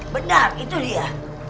benar itu dia